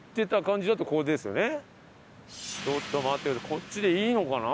こっちでいいのかな？